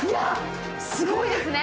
すごいですね。